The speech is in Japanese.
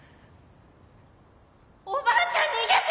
おばあちゃん逃げて！